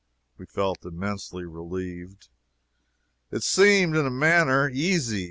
We felt immensely relieved. It seemed, in a manner, easy.